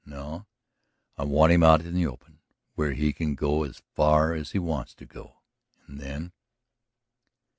No; I want him out in the open, where he can go as far as he wants to go. And then